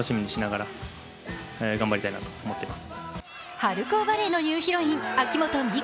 春高バレーのニューヒロイン、秋本美空。